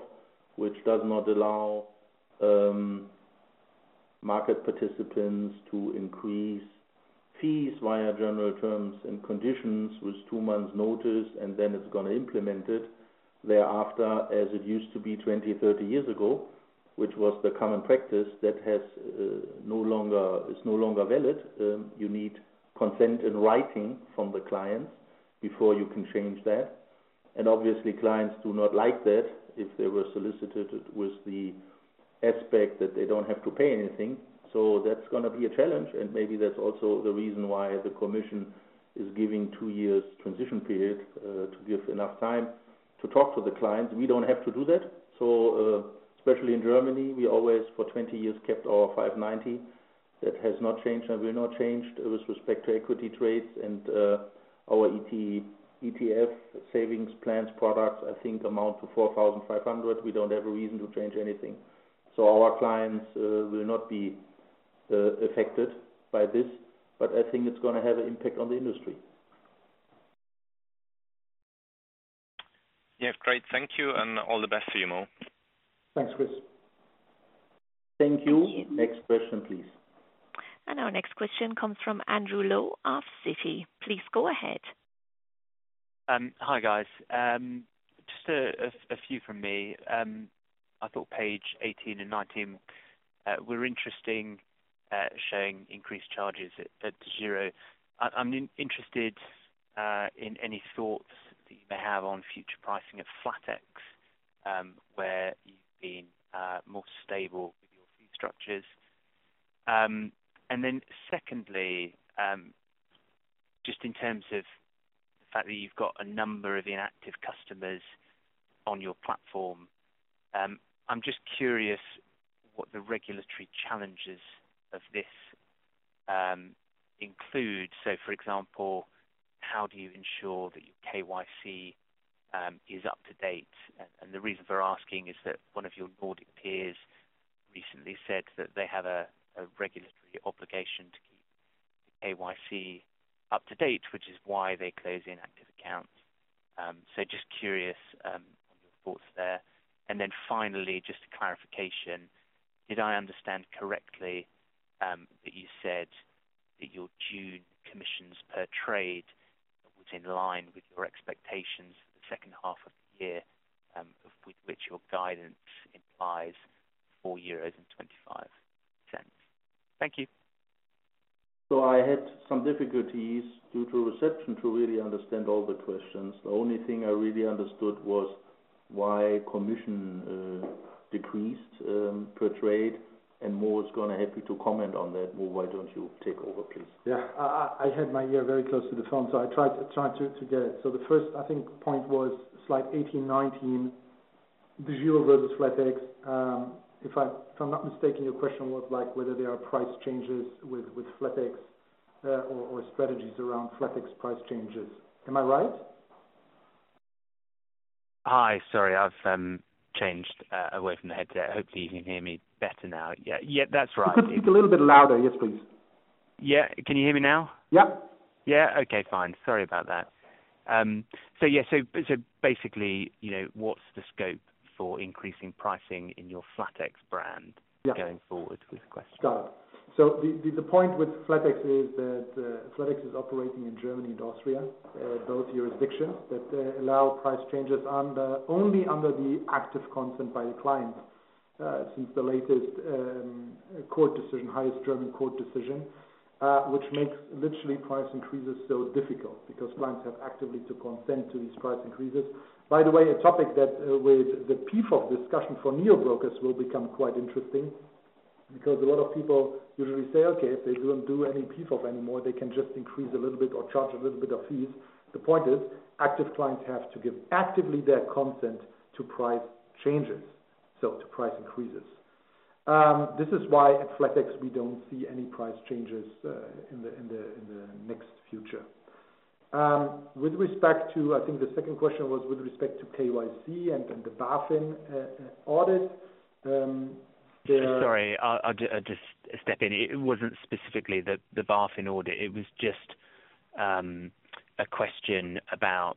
which does not allow market participants to increase fees via general terms and conditions with two months' notice, and then it's gonna implement it thereafter, as it used to be 20, 30 years ago, which was the common practice that is no longer valid. You need consent in writing from the clients before you can change that. Obviously, clients do not like that. If they were solicited, it was the aspect that they don't have to pay anything. That's going to be a challenge, and maybe that's also the reason why the commission is giving two years transition period to give enough time to talk to the clients. We don't have to do that, especially in Germany, we always for 20 years, kept our 5.90. That has not changed, and will not change with respect to equity trades and our ETF savings plans, products, I think amount to 4,500. We don't have a reason to change anything. Our clients will not be affected by this, but I think it's going to have an impact on the industry. Yeah, great. Thank you, and all the best to you, Mo. Thanks, Chris. Thank you. Next question, please. Our next question comes from Andrew Lowe of Citi. Please go ahead. Hi, guys. Just a few from me. I thought page 18 and 19 were interesting, showing increased charges at DEGIRO. I'm interested in any thoughts that you may have on future pricing of flatex, where you've been more stable with your fee structures. Secondly, just in terms of the fact that you've got a number of inactive customers on your platform, I'm just curious what the regulatory challenges of this include. For example, how do you ensure that your KYC is up to date? The reason for asking is that one of your Nordic peers recently said that they have a regulatory obligation to keep KYC up to date, which is why they close inactive accounts. Just curious on your thoughts there. Finally, just a clarification, did I understand correctly, that you said that your June commissions per trade was in line with your expectations for the second half of the year, with which your guidance implies EUR 4.25? Thank you. I had some difficulties due to reception to really understand all the questions. The only thing I really understood was why commission decreased per trade. Mo is going to help you to comment on that. Mo, why don't you take over, please? Yeah. I had my ear very close to the phone, so I tried to get it. The first, I think point was slide 18, 19, the DEGIRO versus flatex. If I'm not mistaken, your question was like, whether there are price changes with flatex, or strategies around flatex price changes. Am I right? Hi. Sorry, I've changed away from the headset. Hopefully you can hear me better now. Yeah, that's right. You could speak a little bit louder. Yes, please. Yeah. Can you hear me now? Yep. Yeah. Okay, fine. Sorry about that. Yeah, basically, you know, what's the scope for increasing pricing in your flatex brand going forward with the question? Got it. The point with flatex is that flatex is operating in Germany and Austria, those jurisdictions that allow price changes under only under the active consent by the clients. Since the latest court decision, highest German court decision, which makes literally price increases so difficult because clients have actively to consent to these price increases. By the way, a topic that with the PFOF discussion for neo brokers will become quite interesting because a lot of people usually say, Okay, if they don't do any PFOF anymore, they can just increase a little bit or charge a little bit of fees. The point is, active clients have to give actively their consent to price changes, so to price increases. This is why at flatex we don't see any price changes in the next future. With respect to, I think the second question was with respect to KYC and the BaFin audit. Sorry, I'll just step in. It wasn't specifically the BaFin audit. It was just a question about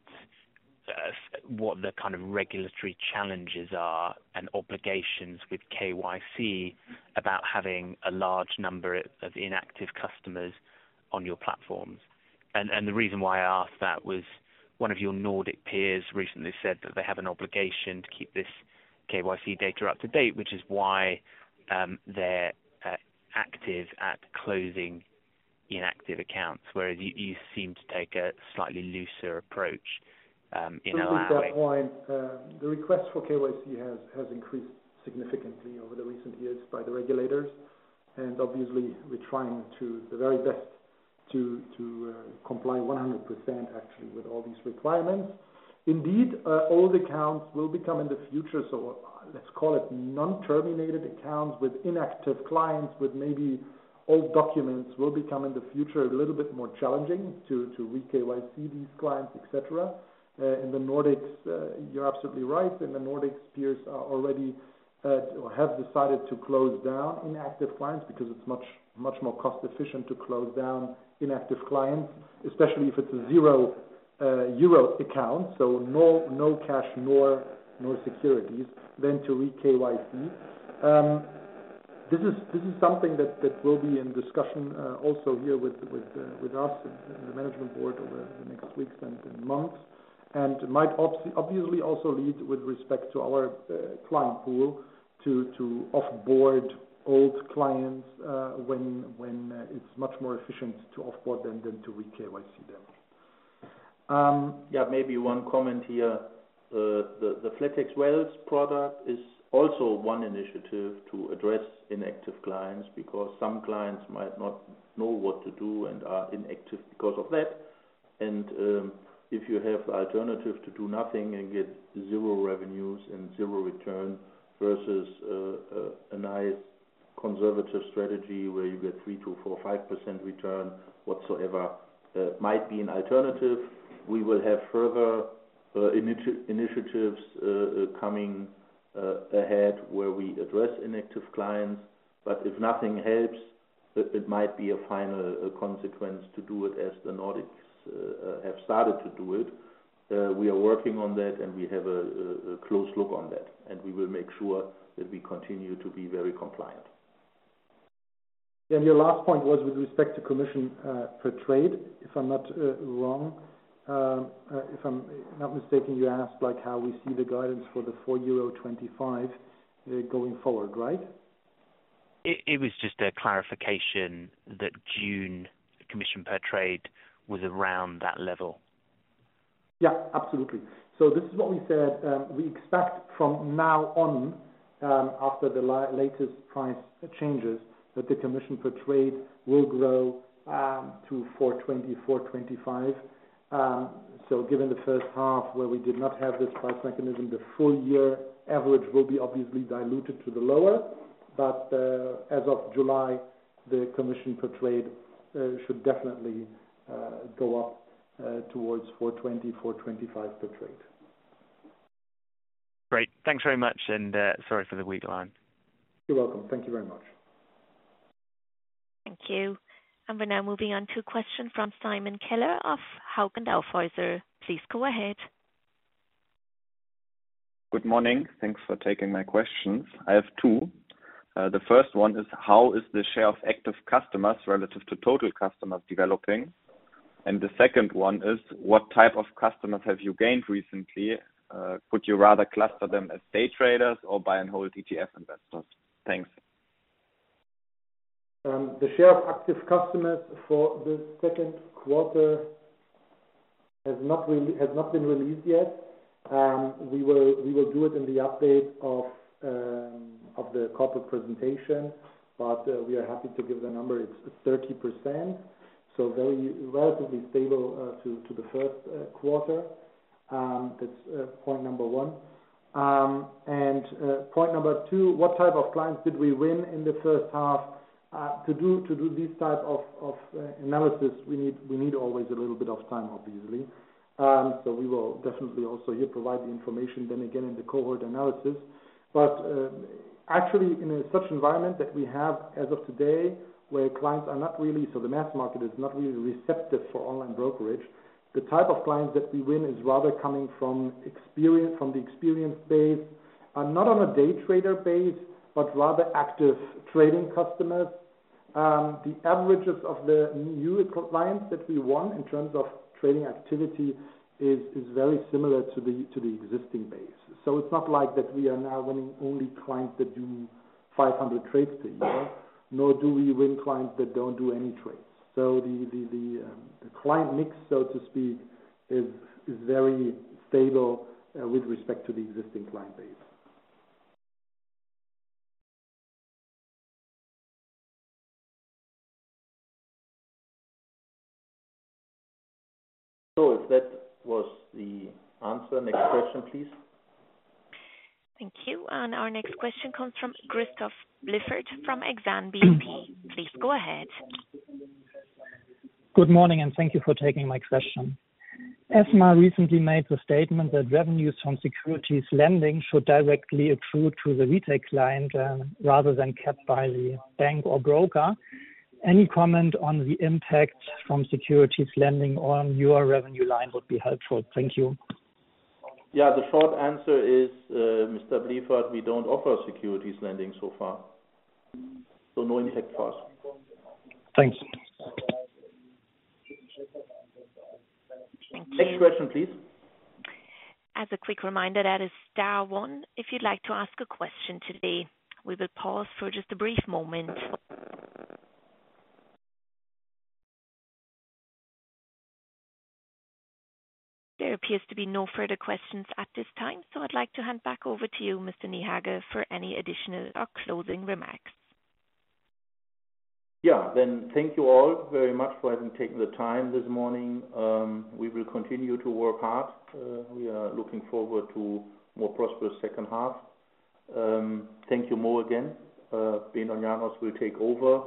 what the kind of regulatory challenges are and obligations with KYC, about having a large number of inactive customers on your platforms. The reason why I asked that was one of your Nordic peers recently said that they have an obligation to keep this KYC data up to date, which is why they're active at closing inactive accounts, whereas you seem to take a slightly looser approach in allowing- The request for KYC has increased significantly over the recent years by the regulators. Obviously, we're trying to the very best to comply 100% actually with all these requirements. Indeed, old accounts will become in the future, so let's call it non-terminated accounts with inactive clients, with maybe old documents, will become in the future a little bit more challenging to re-KYC these clients, et cetera. In the Nordics, you're absolutely right. In the Nordics, peers are already or have decided to close down inactive clients because it's much more cost efficient to close down inactive clients, especially if it's a 0 euro account, so no cash, nor no securities, than to re-KYC. This is something that will be in discussion, also here with us and the management board over the next weeks and months. Might obviously also lead with respect to our client pool to off-board old clients, when it's much more efficient to off-board them than to re-KYC them. yeah, maybe one comment here. The flatex Wealth product is also one initiative to address inactive clients, because some clients might not know what to do and are inactive because of that. If you have alternative to do nothing and get zero revenues and zero return, versus a nice conservative strategy where you get 3%-4% or 5% return whatsoever, might be an alternative. We will have further initiatives coming ahead, where we address inactive clients. If nothing helps, it might be a final consequence to do it as the Nordics have started to do it. We are working on that, and we have a close look on that, and we will make sure that we continue to be very compliant. Your last point was with respect to commission, per trade, if I'm not wrong. If I'm not mistaken, you asked, like, how we see the guidance for the 4.25 euro, going forward, right? It was just a clarification that June commission per trade was around that level. Yeah, absolutely. This is what we said. We expect from now on, after the latest price changes, that the commission per trade will grow to 4.20-4.25. Given the first half where we did not have this price mechanism, the full year average will be obviously diluted to the lower. As of July, the commission per trade should definitely go up towards 4.20-4.25 per trade. Great. Thanks very much. Sorry for the weak line. You're welcome. Thank you very much. Thank you. We're now moving on to a question from Simon Keller of Hauck & Aufhäuser. Please go ahead. Good morning. Thanks for taking my questions. I have two. The first one is: How is the share of active customers relative to total customers developing? The second one is: What type of customers have you gained recently? Could you rather cluster them as day traders or buy and hold ETF investors? Thanks. The share of active customers for the second quarter has not really, has not been released yet. We will do it in the update of the corporate presentation, but we are happy to give the number. It's 30%, so very relatively stable to the first quarter. That's point number one. Point number two: What type of clients did we win in the first half? To do this type of analysis, we need always a little bit of time, obviously. We will definitely also here provide the information then again, in the cohort analysis. Actually, in such environment that we have as of today, where clients are not really. The mass market is not really receptive for online brokerage. The type of clients that we win is rather coming from experience, from the experience base, not on a day trader base, but rather active trading customers. The averages of the new clients that we won in terms of trading activity is very similar to the existing base. It's not like that we are now winning only clients that do 500 trades a year, nor do we win clients that don't do any trades. The client mix, so to speak, is very stable with respect to the existing client base. If that was the answer, next question, please. Thank you. Our next question comes from Christoph Blieffert from Exane BNP. Please go ahead. Good morning. Thank you for taking my question. ESMA recently made the statement that revenues from securities lending should directly accrue to the retail client, rather than kept by the bank or broker. Any comment on the impact from securities lending on your revenue line would be helpful. Thank you. The short answer is, Mr. Blieffert, we don't offer securities lending so far, so no impact for us. Thanks. Thank you. Next question, please. As a quick reminder, that is Star one, if you'd like to ask a question today. We will pause for just a brief moment. There appears to be no further questions at this time, so I'd like to hand back over to you, Mr. Niehage, for any additional or closing remarks. Thank you all very much for having taken the time this morning. We will continue to work hard. We are looking forward to more prosperous second half. Thank you, Mo, again. Dr. Benon Janos will take over.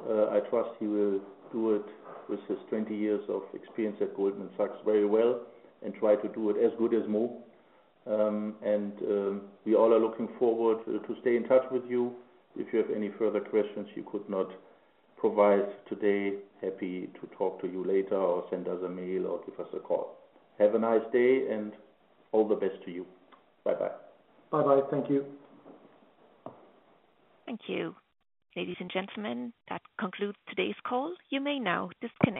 I trust he will do it with his 20 years of experience at Goldman Sachs very well and try to do it as good as Mo. We all are looking forward to stay in touch with you. If you have any further questions you could not provide today, happy to talk to you later or send us a mail, or give us a call. Have a nice day, all the best to you. Bye-bye. Bye-bye. Thank you. Thank you. Ladies and gentlemen, that concludes today's call. You may now disconnect.